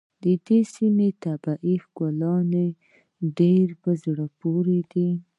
د دې سيمې طبیعي ښکلا ډېره په زړه پورې ده.